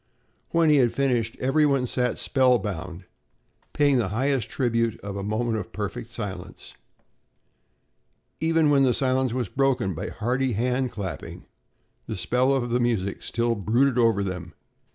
When he had finished, every one sat spellbound, paying the highest tribute of a moment of perfect silence. Even when the silence was broken by hearty hand clapping, the spell of the music still brooded over them.